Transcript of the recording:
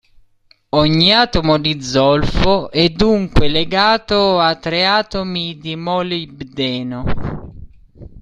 Ogni atomo di zolfo è dunque legato a tre atomi di molibdeno.